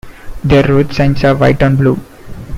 Their road signs are white on blue.